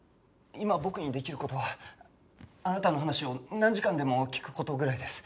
今僕にできる事はあなたの話を何時間でも聞く事ぐらいです。